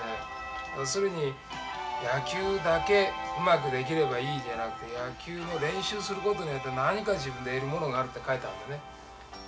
要するに野球だけうまくできればいいじゃなくて野球の練習することによって何か自分で得るものがあるって書いてあるんだよね。